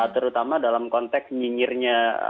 terutama dalam konteks nyinyirnya